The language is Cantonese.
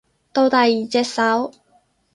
到第二隻手